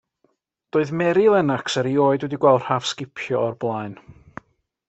Doedd Mary Lennox erioed wedi gweld rhaff sgipio o'r blaen.